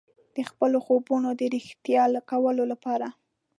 د خپلو خوبونو د ریښتیا کولو لپاره.